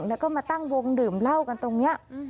แล้วก็มาตั้งวงดื่มเหล้ากันตรงนี้